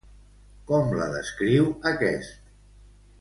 Com la descriu aquest?